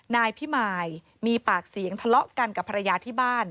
นายพิมายมีปากเสียงทะเลาะกันกับภรรยาที่บ้าน